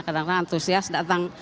kadang kadang antusias datang